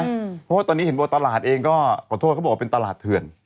เพราะว่าตอนนี้เห็นว่าตลาดเองก็ขอโทษเขาบอกว่าเป็นตลาดเถื่อน